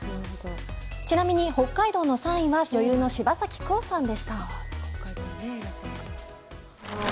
ちなみに北海道の３位は女優の柴咲コウさんでした。